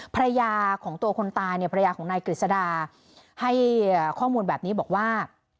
ภรรยาของตัวคนตายเนี่ยภรรยาของนายกฤษดาให้ข้อมูลแบบนี้บอกว่า